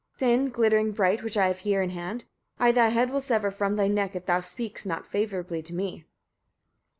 thin, glittering bright, which I have here in hand? I thy head will sever from thy neck, if thou speakst not favourably to me.